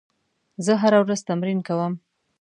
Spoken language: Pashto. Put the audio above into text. زه هره ورځ تمرین کوم.